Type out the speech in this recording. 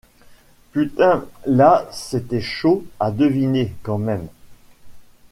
Putain là c’était chaud à deviner, quand même...